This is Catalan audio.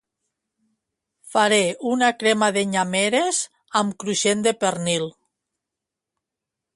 Faré una crema de nyàmeres amb cruixent de pernil